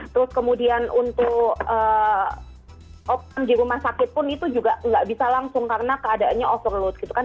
terus kemudian untuk open di rumah sakit pun itu juga nggak bisa langsung karena keadaannya overload gitu kan